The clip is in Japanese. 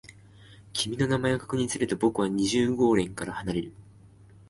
君の名前を確認すると、僕は二十号棟から離れる。